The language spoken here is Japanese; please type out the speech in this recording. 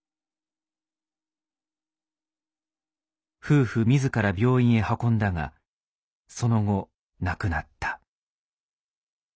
夫婦自ら病院へ運んだがその後亡くなった。